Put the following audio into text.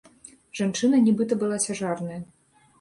Жанчына нібыта была цяжарная.